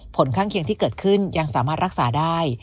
ผลข้างเคียงที่เกิดขึ้นยังสามารถรักษาได้